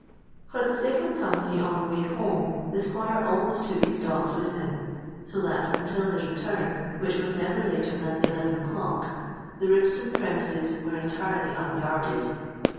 For the sake of company on the way home the squire always took his dogs with him, so that until his return, which was never later than eleven o'clock, the Ribston premises were entirely unguarded.